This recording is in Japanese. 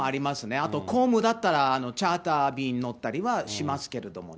あと、公務だったら、チャーター便乗ったりはしますけどね。